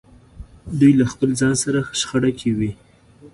دوی له خپل ځان سره شخړه کې وي.